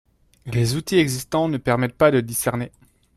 Les outils existants ne permettent pas de discerner.